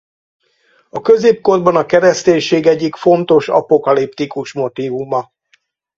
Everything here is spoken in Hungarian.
A középkorban a kereszténység egyik fontos apokaliptikus motívuma.